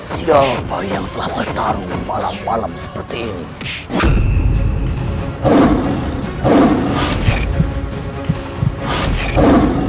siapa yang telah bertarung malam malam seperti ini